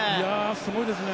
すごいですね。